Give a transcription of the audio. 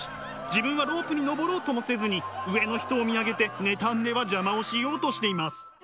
自分はロープに登ろうともせずに上の人を見上げて妬んでは邪魔をしようとしています。